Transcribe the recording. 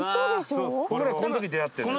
俺らこの時出会ってるのよ。